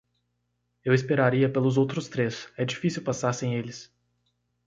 Eu esperaria pelos outros três, é difícil passar sem eles.